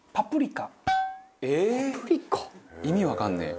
意味わかんねえ。